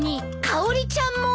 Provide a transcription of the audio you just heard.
かおりちゃんも！？